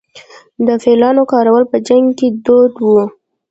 د فیلانو کارول په جنګ کې دود و